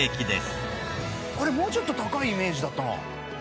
これもうちょっと高いイメージだったな。